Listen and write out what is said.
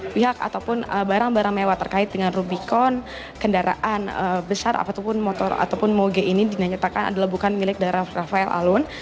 pihak ataupun barang barang mewah terkait dengan rubicon kendaraan besar apapun motor ataupun moge ini dinyatakan adalah bukan milik darah rafael alun